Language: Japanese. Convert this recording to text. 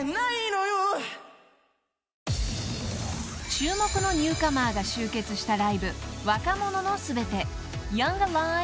［注目のニューカマーが集結したライブ］